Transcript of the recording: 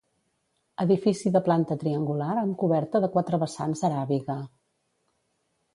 Edifici de planta triangular amb coberta de quatre vessants aràbiga.